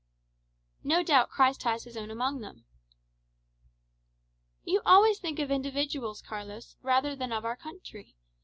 "No doubt Christ has his own amongst them." "You always think of individuals, Carlos, rather than of our country.